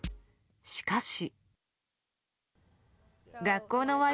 しかし。